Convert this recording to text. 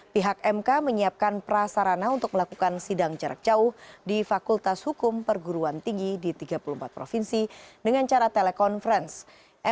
pihak mk menyiapkan prasarana untuk melakukan sidang jarak jauh di fakultas hukum perguruan tinggi di tiga puluh empat provinsi dengan cara telekonferensi